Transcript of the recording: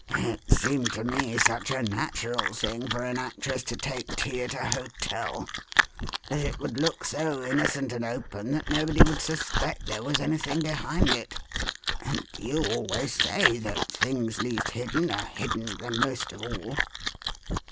"It seemed to me such a natural thing for an actress to take tea at a hotel that it would look so innocent and open that nobody would suspect there was anything behind it. And you always say that things least hidden are hidden the most of all."